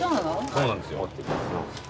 そうなんですよ。